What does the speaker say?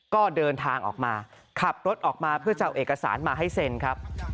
ก็เดินทางออกมาขับรถออกมาเพื่อจะเอาเอกสารมาให้เซ็นครับ